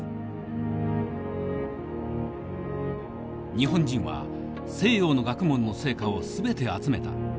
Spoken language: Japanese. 「日本人は西洋の学問の成果を全て集めた。